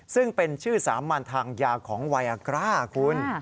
ซึ่งเป็นชื่อสามัญทางยาของไวอากร้าคุณ